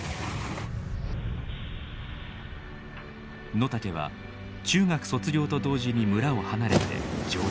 野竹は中学卒業と同時に村を離れて上京。